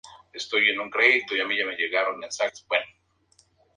El objetivo es capturar más fichas que el oponente.